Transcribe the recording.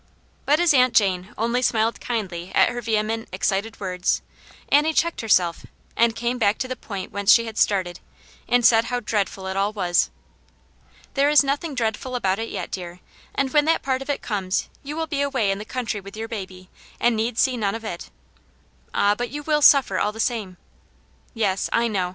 " "But as Aunt Jane only smvVtd Vaxv^Vj ^v. \n&x h^c^r. 244 Atmt pane's Hero. ment, excited words, Annie checked herself, and came back to the point whence she had started, and said how dreadful it all was. " There is nothing dreadful about it yet, dear, and when that part of it comes you will be away in the country with your baby, and need see none of it." " Ah, but you will suffer, all the same." " Yes, I know.